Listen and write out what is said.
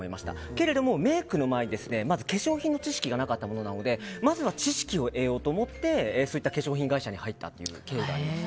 けれどもメイクの前に化粧品の知識がなかったものなのでまずは知識を得ようと思って化粧品会社に入ったという経緯があります。